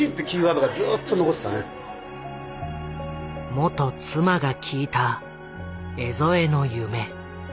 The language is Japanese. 元妻が聞いた江副の夢。